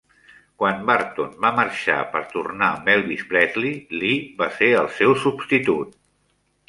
Quan Burton va marxar per tornar amb Elvis Presley, Lee va ser el seu substitut.